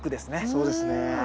そうですね。